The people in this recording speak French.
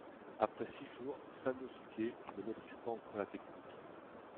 Après six jours Sanosuké ne maîtrise pas encore la technique.